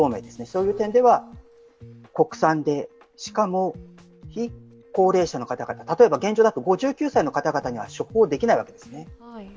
そういう意味では国産で、しかも高齢者の方々、例えば現状だと５９歳の方々には処方できないわけですね。